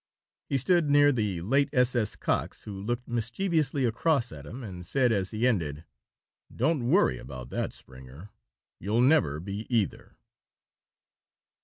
He stood near the late S. S. Cox, who looked mischievously across at him and said as he ended, "Don't worry about that, Springer; you'll never be either."